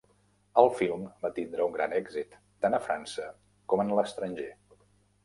El film va tindre un gran èxit, tant en França com en l'estranger.